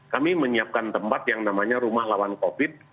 kami menyiapkan tempat yang namanya rumah lawan covid